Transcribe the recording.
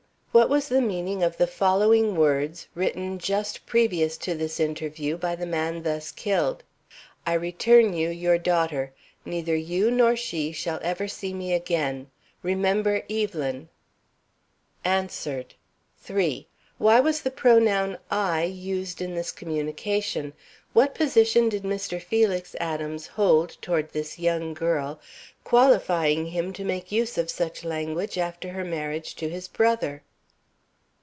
What was the meaning of the following words, written just previous to this interview by the man thus killed: "I return you your daughter. Neither you nor she will ever see me again. Remember Evelyn!" [Sidenote: Answered] 3. Why was the pronoun "I" used in this communication? What position did Mr. Felix Adams hold toward this young girl qualifying him to make use of such language after her marriage to his brother?